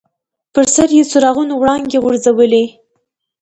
پر سر یې څراغونو وړانګې غورځولې.